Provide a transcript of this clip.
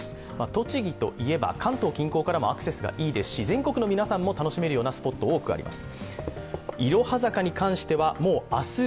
栃木といえば、関東近郊からもアクセスがいいですし、全国の皆さんも楽しめるようなスポットが多くあります。